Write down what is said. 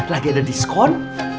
lagi ada diskon